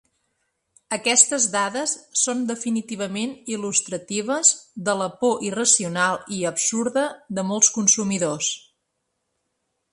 Aquestes dades són definitivament il·lustratives de la por irracional i absurda de molts consumidors.